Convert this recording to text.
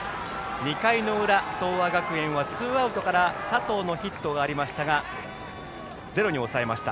２回の裏、東亜学園はツーアウトから佐藤のヒットがありましたがゼロに抑えました。